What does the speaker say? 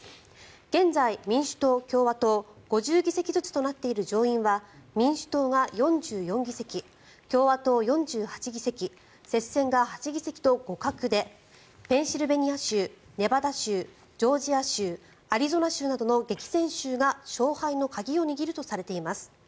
現在、民主党、共和党５０議席ずつとなっている上院は民主党が４４議席共和党が４８議席接戦が８議席と互角でペンシルベニア州ネバダ州、ジョージア州アリゾナ州などの激戦州が勝敗の鍵を握るとされています。